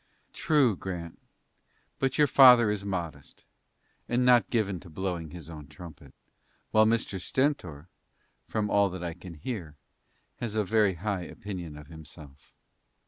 "True, Grant, but your father is modest, and not given to blowing his own trumpet, while Mr. Stentor, from all I can hear, has a very high opinion of himself."